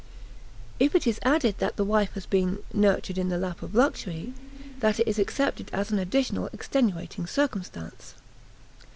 If it is added that the wife has been "nurtured in the lap of luxury," that is accepted as an additional extenuating circumstance.